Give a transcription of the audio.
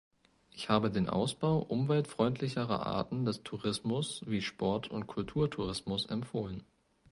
Ich habe den Ausbau umweltfreundlicherer Arten des Tourismus wie Sport- und Kulturtourismus empfohlen.